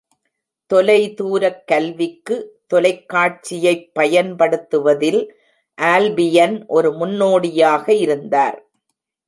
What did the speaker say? தொலைதூரக் கல்விக்கு தொலைக்காட்சியைப் பயன்படுத்துவதில் ஆல்பியன் ஒரு முன்னோடியாக இருந்தார்.